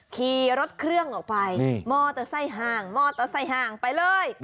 ขี่รถเครื่องต่อไปมอเตอร์ไซ่ห่างไปเลย